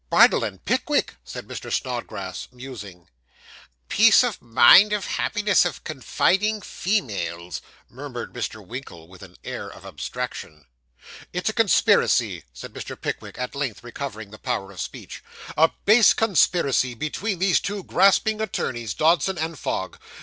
'Bardell and Pickwick,' said Mr. Snodgrass, musing. 'Peace of mind and happiness of confiding females,' murmured Mr. Winkle, with an air of abstraction. 'It's a conspiracy,' said Mr. Pickwick, at length recovering the power of speech; 'a base conspiracy between these two grasping attorneys, Dodson and Fogg.